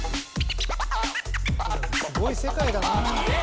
すごい世界だな。